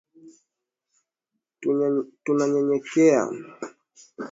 Tunanyenyekea.